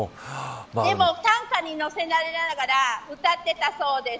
でも担架に乗せられながら歌っていたそうです。